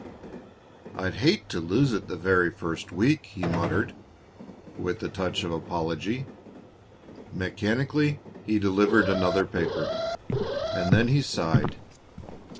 "I'd hate to lose it the very first week," he muttered, with a touch of apology. Mechanically he delivered another paper, and then he sighed.